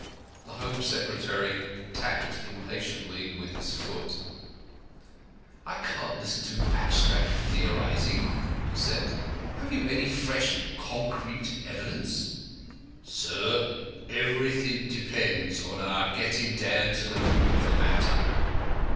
The Home Secretary tapped impatiently with his foot. "I can't listen to abstract theorising," he said. "Have you any fresh concrete evidence?" "Sir, everything depends on our getting down to the root of the matter.